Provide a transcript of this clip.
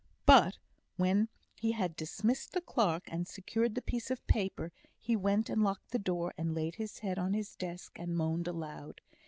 But when he had dismissed the clerk, and secured the piece of paper, he went and locked the door, and laid his head on his desk, and moaned aloud.